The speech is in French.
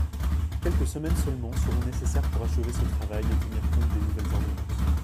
Quelques semaines seulement seront nécessaires pour achever ce travail et tenir compte des nouvelles ordonnances.